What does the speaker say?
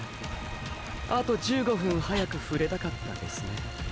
あと１５分早く触れたかったですね。